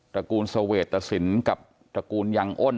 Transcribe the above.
ระกูลเสวตสินกับตระกูลยังอ้น